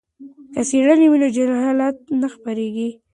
که څیړنه وي نو جهالت نه خپریږي.